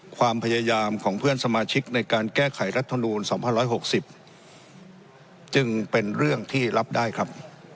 ความพยายามของเพื่อนสมาชิกในการแก้ไขรัฐธรรมนูญสองพันร้อยหกสิบจึงเป็นเรื่องที่รับได้ครับ